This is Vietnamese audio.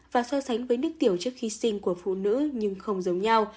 và so sánh với nước tiểu trước khi sinh của phụ nữ nhưng không giống nhau